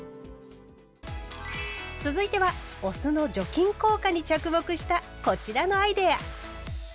続いてはお酢の除菌効果に着目したこちらのアイデア。